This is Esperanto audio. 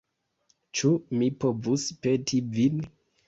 Ĉu mi povus peti vin?